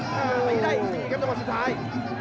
ไม่ได้สี่ครับจังหวัดสุดท้าย